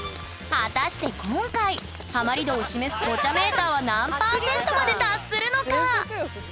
果たして今回ハマり度を示すポチャメーターは何％まで達するのか？